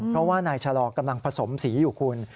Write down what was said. เพราะว่านายชะลอกำลังผสมสีอยู่คุณ